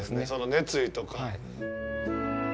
その熱意とか。